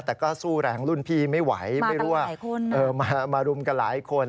แต่ก็สู้แหลงรุ่นพี่ไม่ไหวมารุมกันหลายคน